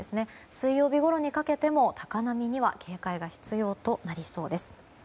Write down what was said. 水曜日ごろにかけても高波には警戒が必要となりそうです。